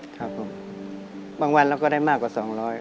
ค่ะผมบางวันเราก็ได้มากกว่า๒๐๐